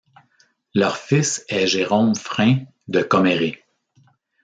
Leur fils est Jérôme Frin de Coméré.